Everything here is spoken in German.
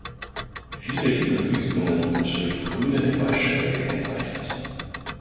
Viele dieser Wüstungen sind durch grüne Hinweisschilder gekennzeichnet.